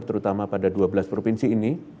terutama pada dua belas provinsi ini